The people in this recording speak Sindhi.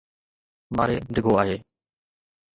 ماري ڊگهو آهي.